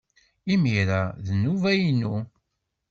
Imir-a, d nnuba-inu.